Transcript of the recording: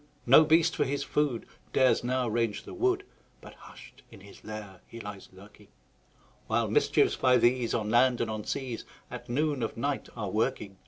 No beast, for his food, Dares now range the wood, But hush'd in his lair he lies lurking; While mischiefs, by these, On land and on seas, At noon of night are a working.